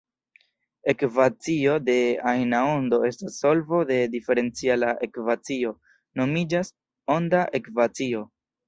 Ekvacio de ajna ondo estas solvo de diferenciala ekvacio, nomiĝas "«onda ekvacio»".